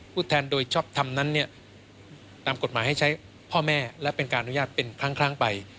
ผู้แทนโดยชอบทำนั้นเนี่ยตามกฎหมายให้ใช้พ่อแม่และเป็นการอนุญาตเป็นครั้งไป